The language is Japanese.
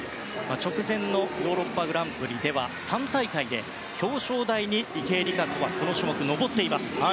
直前のヨーロッパグランプリでは３大会で表彰台に、池江璃花子はこの種目、上っています。